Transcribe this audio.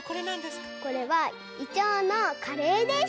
これはいちょうのカレーです。